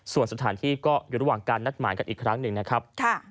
ส่วนสถานที่ก็อยู่ระหว่างการนัดหมายกันอีกครั้งหนึ่งนะครับ